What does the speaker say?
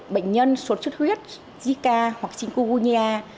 bệnh nhân sốt xuất huyết zika hoặc zinkugunia